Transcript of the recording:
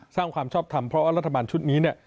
ความชอบทำเพราะว่ารัฐบาลชุดนี้เนี่ย